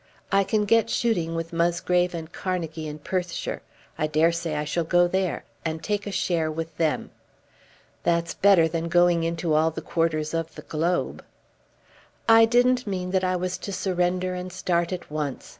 I can get shooting with Musgrave and Carnegie in Perthshire. I dare say I shall go there, and take a share with them." "That's better than going into all the quarters of the globe." "I didn't mean that I was to surrender and start at once.